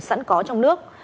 sẵn có trong nước